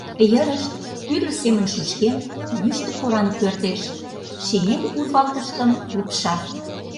Йырышт, тӱрлӧ семын шӱшкен, йӱштӧ поран пӧрдеш, шинель урвалтышым лупша.